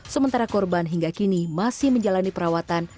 sementara korban hingga kini masih menjalani perawatan